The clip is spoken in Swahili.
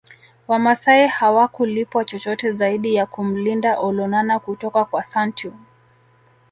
Wamasai hawakulipwa chochote zaidi ya kumlinda Olonana kutoka kwa Santeu